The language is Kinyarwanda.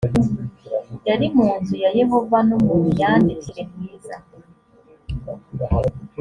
yari mu nzu ya yehova no mumyandikire myiza